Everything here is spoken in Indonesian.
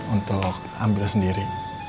untuk ambil sendiri